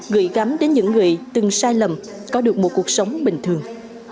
gửi gắm đến những người từng sai lầm có được một cuộc sống bình thường